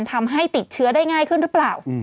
ทำให้ติดเชื้อได้ง่ายขึ้นหรือเปล่า